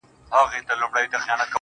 زه په دې افتادګۍ کي لوی ګَړنګ یم~